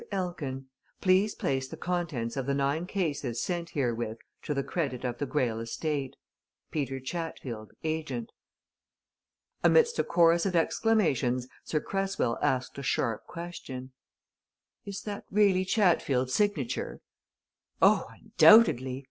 ELKIN Please place the contents of the nine cases sent herewith to the credit of the Greyle Estate. "PETER CHATFIELD, Agent." Amidst a chorus of exclamations Sir Cresswell asked a sharp question. "Is that really Chatfield's signature?" "Oh, undoubtedly!"